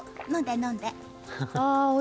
飲んで。